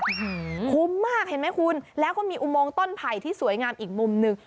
คุ้มมากเห็นไหมคุณแล้วก็มีอุโมงต้นไผ่ที่สวยงามอีกมุมหนึ่ง